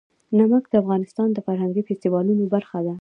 نمک د افغانستان د فرهنګي فستیوالونو برخه ده.